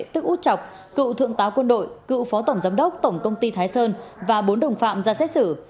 tức út chọc cựu thượng tá quân đội cựu phó tổng giám đốc tổng công ty thái sơn và bốn đồng phạm ra xét xử